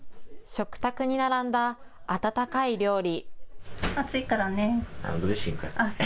食卓に並んだ温かい料理。